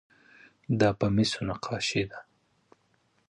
دا په مسو نقاشي ده.